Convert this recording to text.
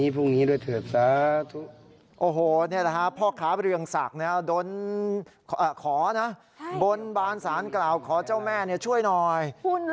พรุ่งนี้จะออกรางวัลไปไปช่วงทำเงินกำลังขายลอตเตอรี่ได้เลย